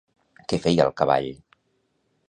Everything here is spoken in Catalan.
Què feia el cavall?